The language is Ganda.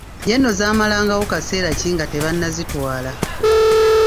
Ye nno zaamalangawo kaseera ki nga tebanazitwala!